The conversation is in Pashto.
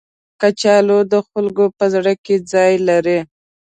کچالو د خلکو په زړه کې ځای لري